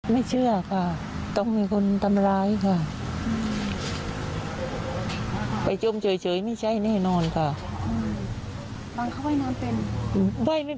เพลงไปไม่ได้ถ้าว่าเขาจะไปดูดน้ำทะลี